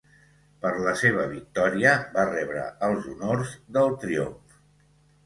Per la seva victòria va rebre els honors del triomf.